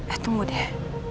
eh tunggu deh